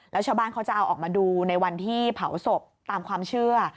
แล้วชาวบ้านเขาจะเอาออกมาดูในวันที่เผาศพตามความเชื่อ